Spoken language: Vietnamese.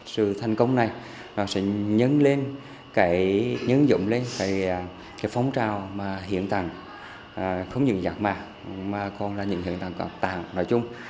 sự thành công này sẽ nhấn dụng lên cái phóng trao hiện tạng không những giác mạc mà còn là những hiện tạng tạng nói chung